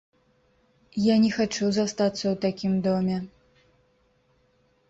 Я не хачу застацца ў такім доме.